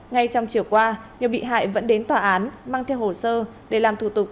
ngay trong chiều qua nhiều bị hại vẫn đến tòa án mang theo hồ sơ để làm thủ tục